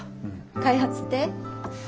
開発って？